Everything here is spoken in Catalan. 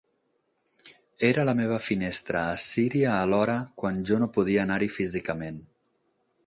Era la meva finestra a Síria alhora quan jo no podia anar-hi físicament.